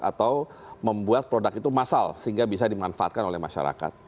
atau membuat produk itu masal sehingga bisa dimanfaatkan oleh masyarakat